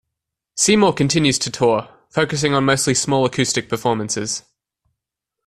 Seymour continues to tour, focusing on mostly small acoustic performances.